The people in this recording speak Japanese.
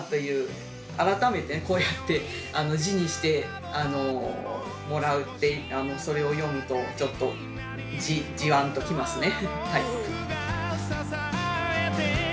改めてこうやって字にしてもらってそれを読むとちょっとじわんときますねはい。